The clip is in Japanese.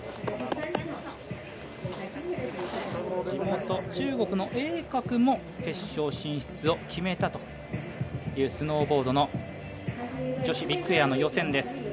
地元・中国の栄格も決勝進出を決めたというスノーボードの女子ビッグエアの予選です。